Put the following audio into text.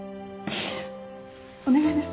お願いです。